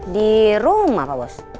di rumah pak bos